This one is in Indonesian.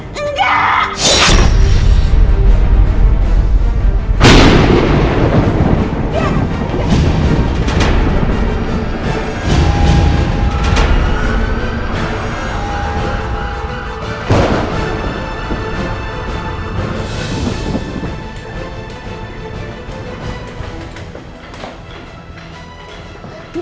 aku gak mau mati